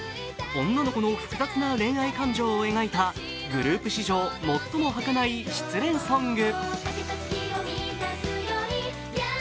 女の子の複雑な恋愛感情を描いたグループ史上最もはかない失恋ソング。